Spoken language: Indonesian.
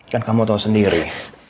kan kamu tau sendiri